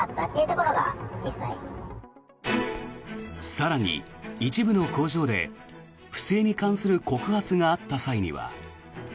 更に、一部の工場で不正に関する告発があった際には。